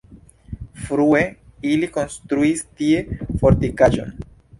Frue ili konstruis tie fortikaĵon.